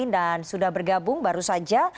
dan sudah bergabung baru saja